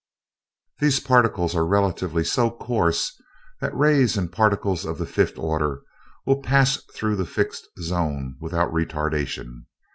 These particles are relatively so coarse, that rays and particles of the fifth order will pass through the fixed zone without retardation.